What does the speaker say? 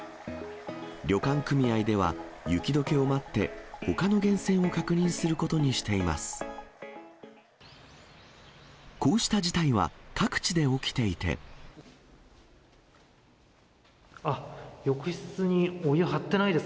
旅館組合では、雪どけを待って、ほかの源泉を確認することにしています。